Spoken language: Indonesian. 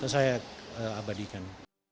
terus saya abadikan